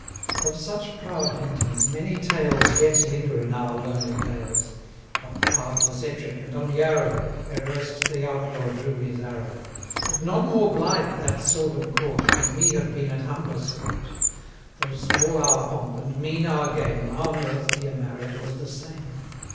Of such proud huntings, many tales Yet linger in our lonely dales, Up pathless Ettrick and on Yarrow, Where erst the outlaw drew his arrow. 55 But not more blithe that silvan court, Than we have been at humbler sport; Though small our pomp, and mean our game, Our mirth, dear Marriott, was the same.